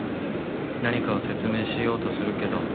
「何かを説明しようとするけど」